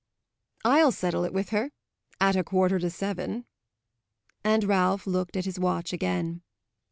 "I'll settle it with her at a quarter to seven." And Ralph looked at his watch again.